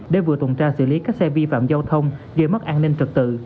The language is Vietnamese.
để vừa tuần tra xử lý các xe vi phạm giao thông gây mất an ninh trật tự